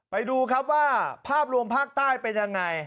ไปดูครับว่าภาพรวมภาคใต้เป็นยังไง